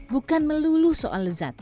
bukan melulu soal lezat